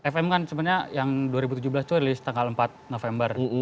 fm kan sebenarnya yang dua ribu tujuh belas itu ada list tanggal empat november